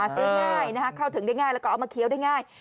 อาซื้อให้เข้าถึงได้ง่ายเอามาเคี้ยวได้ง่าย